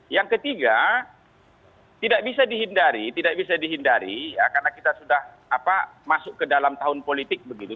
yang ketiga tidak bisa dihindari tidak bisa dihindari ya karena kita sudah masuk ke dalam tahun politik begitu